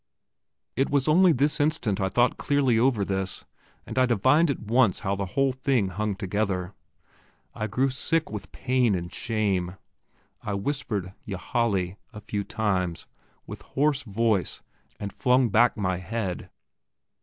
It was only this instant I thought clearly over this, and I divined at once how the whole thing hung together. I grew sick with pain and shame. I whispered "Ylajali" a few times, with hoarse voice, and flung back my head.